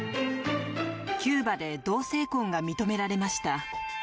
キューバで同性婚が認められました。